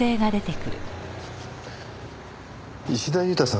石田祐太さん